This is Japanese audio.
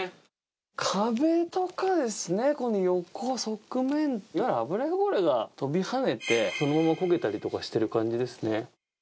壁とかですね、この横、側面が、油汚れがとびはねて、そのまま焦げたりしてる感じですね。